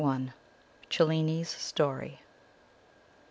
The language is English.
CELLINI'S STORY.